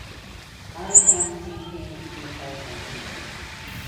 Audichron received payments from the telephone company.